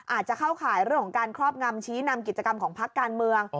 อาจจะเข้าข่ายเรื่องของการครอบงำชี้นำกิจกรรมของพักการเมือง